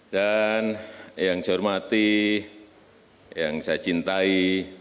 dan yang saya hormati yang saya cintai